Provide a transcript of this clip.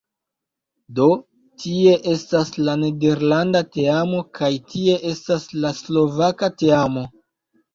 Do tie estas la nederlanda teamo kaj tie estas la slovaka teamo